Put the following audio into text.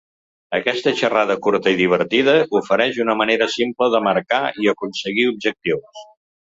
Aquesta xerrada curta i divertida ofereix una manera simple de marcar i aconseguir objectius.